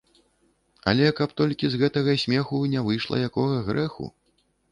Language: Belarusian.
Але каб толькі з гэтага смеху не выйшла якога грэху?